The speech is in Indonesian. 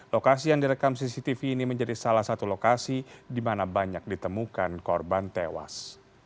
lokasi yang direkam cctv ini menjadi salah satu lokasi di mana banyak ditemukan korban tewas